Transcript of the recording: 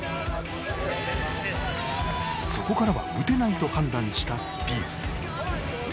そこからは打てないと判断したスピース。